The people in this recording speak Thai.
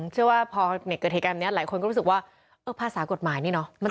เชื่อว่าพอเกิดเหตุการณ์แบบนี้หลายคนก็รู้สึกว่าเออภาษากฎหมายนี่เนอะ